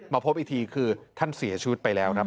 พบอีกทีคือท่านเสียชีวิตไปแล้วครับ